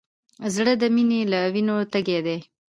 زړه د مینې له وینو تږی دی.